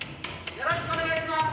よろしくお願いします。